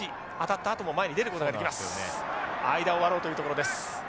間を割ろうというところです。